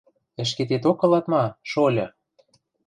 Ӹшкететок ылат ма, шольы?